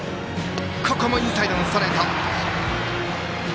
ここもインサイドのストレート。